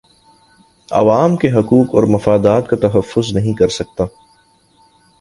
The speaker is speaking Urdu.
عوام کے حقوق اور مفادات کا تحفظ نہیں کر سکتا